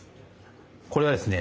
これはですね